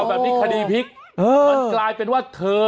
แบบนี้คดีพลิกมันกลายเป็นว่าเธอ